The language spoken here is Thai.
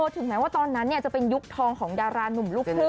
ถึงแม้ว่าตอนนั้นจะเป็นยุคทองของดารานุ่มลูกครึ่ง